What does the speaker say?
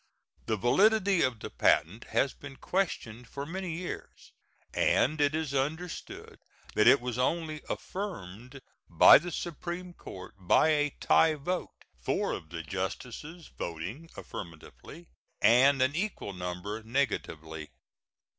The validity of the patent has been questioned for many years, and it is understood that it was only affirmed by the Supreme Court by a tie vote, four of the justices voting affirmatively and an equal number negatively.